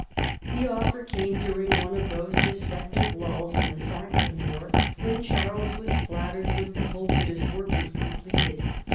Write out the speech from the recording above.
The offer came during one of those deceptive lulls in the Saxon war, when Charles was flattered with the hope that his work was completed.